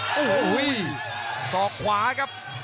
โอ้โหสอกขวาครับ